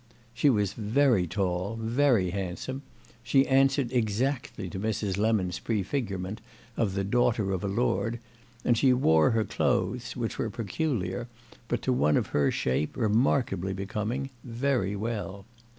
She was very tall, very handsome, she answered exactly to Mrs. Lemon's prefigurement of the daughter of a lord, and she wore her clothes, which were peculiar, but to one of her shape remarkably becoming, very well.